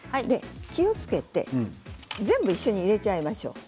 気をつけて全部一緒に入れてしまいましょう。